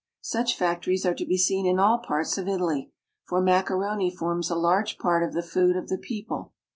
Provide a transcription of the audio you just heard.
Such factories are to be seen in all parts of Italy, for macaroni forms a large part of the food of the people.